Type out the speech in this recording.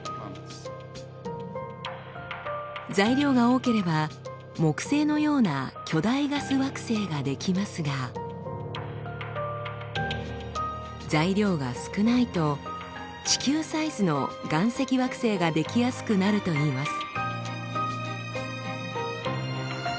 材料が多ければ木星のような巨大ガス惑星が出来ますが材料が少ないと地球サイズの岩石惑星が出来やすくなるといいます。